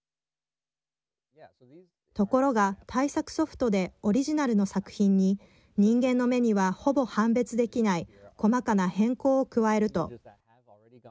ところが、対策ソフトでオリジナルの作品に人間の目にはほぼ判別できない細かな変更を加えると。